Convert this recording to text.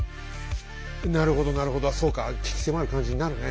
なるほどなるほどそうか鬼気迫る感じになるね